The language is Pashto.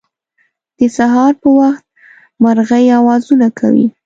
د سهار په وخت مرغۍ اوازونه کوی